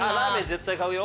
絶対買うよ。